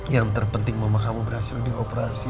yang terpenting mama kamu berhasil dioperasi